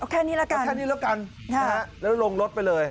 แค่นี้แล้วกันนะฮะแล้วลงรถไปเลย